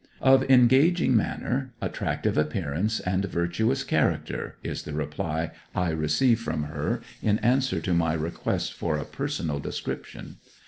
'Of engaging manner, attractive appearance, and virtuous character,' is the reply I receive from her in answer to my request for a personal description.